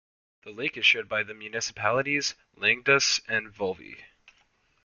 The lake is shared by the municipalities Langadas and Volvi.